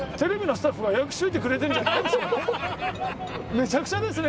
めちゃくちゃですね